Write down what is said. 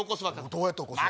どうやっておこすの？